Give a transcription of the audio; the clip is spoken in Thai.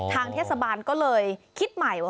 ทางเทศบาลก็เลยคิดใหม่ว่า